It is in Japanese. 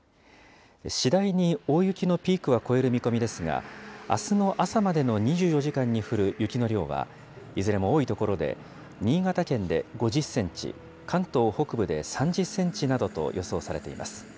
次第に大雪のピークは超える見込みですが、あすの朝までの２４時間に降る雪の量は、いずれも多い所で、新潟県で５０センチ、関東北部で３０センチなどと予想されています。